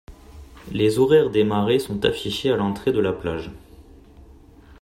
Les horaires des marées sont affichés à l’entrée de la plage.